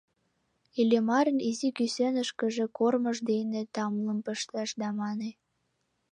Иллимарын изи кӱсенышкыже кормыж дене тамлым пыштыш да мане: